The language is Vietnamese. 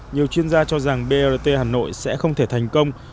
nhiều chuyên gia cho rằng brt hà nội sẽ không thể thành công